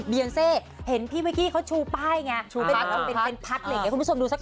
เบียงเซย์เห็นพี่เมคิเขาชูป้ายไงชูเป็นพักอะไรไงคุณผู้ชมดูซะก่อน